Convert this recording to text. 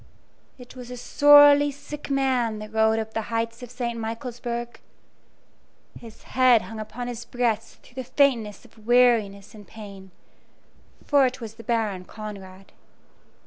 It was a sorely sick man that rode up the heights of St. Michaelsburg. His head hung upon his breast through the faintness of weariness and pain; for it was the Baron Conrad.